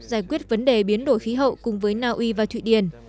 giải quyết vấn đề biến đổi khí hậu cùng với naui và thụy điển